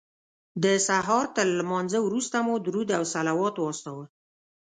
د سهار تر لمانځه وروسته مو درود او صلوات واستاوه.